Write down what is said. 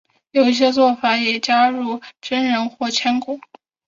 有一些做法也加入榛仁或干果。